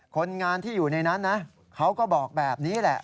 คนงานที่อยู่ในนั้นนะเขาก็บอกแบบนี้แหละ